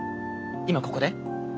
今ここで？